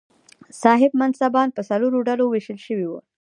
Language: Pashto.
صاحب منصبان پر څلورو ډلو وېشل شوي وو.